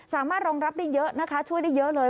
สามารถรองรับได้เยอะนะคะช่วยได้เยอะเลย